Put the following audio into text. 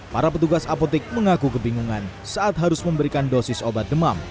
para petugas apotik mengaku kebingungan saat harus memberikan dosis obat demam